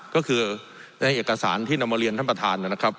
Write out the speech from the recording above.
ก็คือในเอกสารที่นำมาเรียนท่านประธานนะครับ